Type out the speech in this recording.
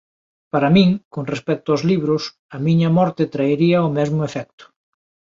Para min, con respecto ós libros, a miña morte traería o mesmo efecto.